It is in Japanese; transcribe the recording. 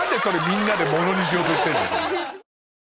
みんなでものにしようとしてんの。